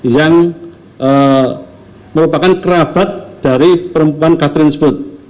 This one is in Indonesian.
yang merupakan kerabat dari perempuan katrin sebut